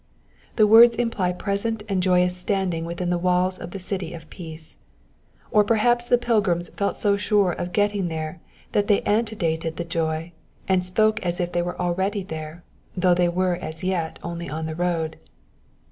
The words imply present and joyous standing within the walls of the city of peace ; or perhaps the pilgrims felt so sure of getting there that they antedated the joy, and spoke as if they were already there, though they were as yet only on the road.